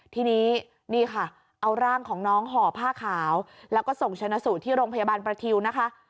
ทีนี้นี่ค่ะเอาร่างของน้องห่อผ้าขาวแล้วก็ส่งชนะสูตรที่โรงพยาบาลประทิวนะคะ